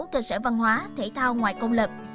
một trăm sáu mươi sáu cơ sở văn hóa thể thao ngoài công lập